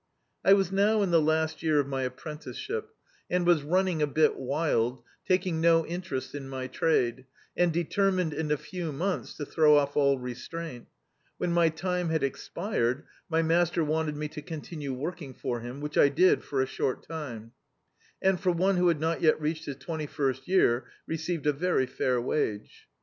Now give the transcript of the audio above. I was now in the last year of my apprenticeship, D,i.,.db, Google Youth and was nmning a bit wild, taking no interest in my trade, and determined in a few months to throw off all restraint. When my time had expired, my master wanted me to continue working for him, which I did for a short time; and, for one who had not yet reached his twaity first year, received a very fair wage.